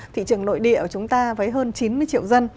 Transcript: thị trường nội địa của chúng ta với hơn chín mươi triệu dân